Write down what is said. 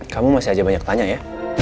kamu masih aja banyak tanya ya